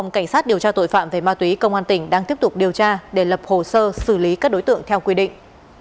cảnh sát điều tra tội phạm về ma túy công an tỉnh đang tiếp tục điều tra để lập hồ sơ xử lý các đối tượng theo quy định